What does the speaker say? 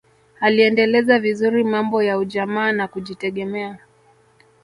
aliendeleza vizuri mambo ya ujamaa na kujitegemea